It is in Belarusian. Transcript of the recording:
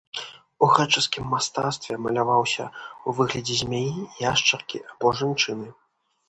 У грэчаскім мастацтве маляваўся ў выглядзе змяі, яшчаркі або жанчыны.